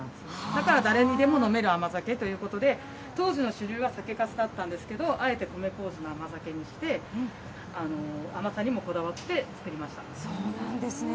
だから誰にでも飲める甘酒ということで、当時の主流は酒かすだったんですけど、あえて米こうじの甘酒にして、甘さにもこだわってそうなんですね。